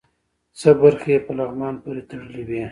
څه برخې یې په لغمان پورې تړلې وې.